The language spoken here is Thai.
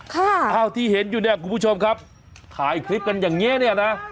อ้าวที่เห็นอยู่เนี่ยคุณผู้ชมครับถ่ายคลิปกันอย่างเงี้เนี่ยนะ